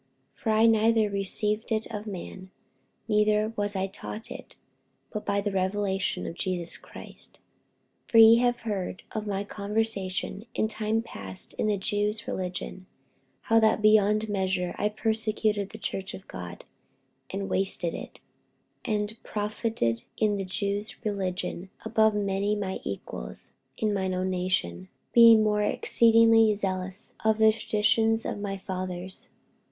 48:001:012 For I neither received it of man, neither was I taught it, but by the revelation of Jesus Christ. 48:001:013 For ye have heard of my conversation in time past in the Jews' religion, how that beyond measure I persecuted the church of God, and wasted it: 48:001:014 And profited in the Jews' religion above many my equals in mine own nation, being more exceedingly zealous of the traditions of my fathers.